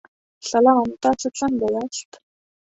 سلام، تاسو څنګه یاست؟